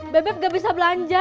bebek nggak bisa belanja